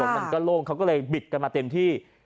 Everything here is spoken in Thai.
มันก็โล่งเขาก็เลยบิดกันมาเต็มที่